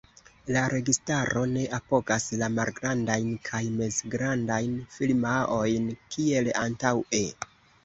La registaro ne apogas la malgrandajn kaj mezgrandajn firmaojn kiel antaŭe.